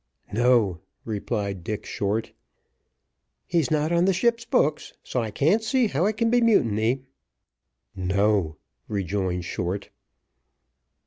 "No," replied Dick Short. "He's not on the ship's books, so I can't see how it can be mutiny." "No," rejoined Short.